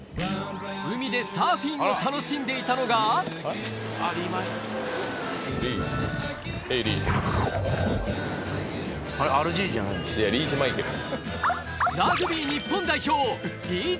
海でサーフィンを楽しんでいたのがいやリーチマイケル。